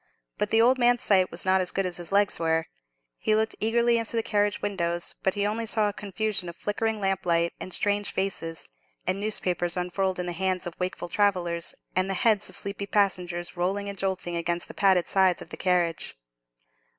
But the old man's sight was not as good as his legs were; he looked eagerly into the carriage windows, but he only saw a confusion of flickering lamplight, and strange faces, and newspapers unfurled in the hands of wakeful travellers, and the heads of sleepy passengers rolling and jolting against the padded sides of the carriage.